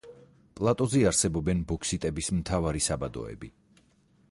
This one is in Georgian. პლატოზე არსებობენ ბოქსიტების მთავარი საბადოები.